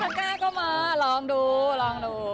เอาก้าเค้ามาฮ่า